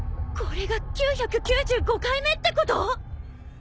これが９９５回目ってこと！？